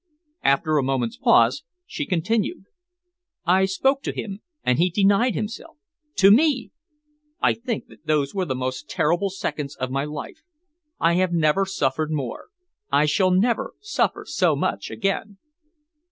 After a moment's pause she continued: "I spoke to him, and he denied himself. To me! I think that those were the most terrible seconds of my life. I have never suffered more. I shall never suffer so much again."